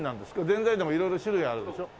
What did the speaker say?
ぜんざいでも色々種類あるでしょ？